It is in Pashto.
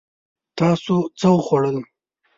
تاسو څه وخوړل؟